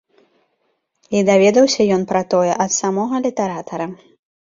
І даведаўся ён пра тое ад самога літаратара.